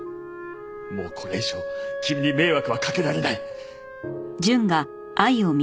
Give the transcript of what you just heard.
もうこれ以上君に迷惑はかけられない。